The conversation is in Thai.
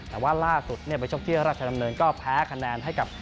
แต่ว่าล่าสุดไปชกที่ราชดำเนินก็แพ้คะแนนให้กับ